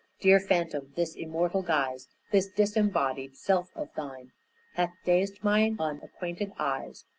"Dear Phantom, this immortal guise, This disembodied self of thine, Hath dazed mine unacquainted eyes.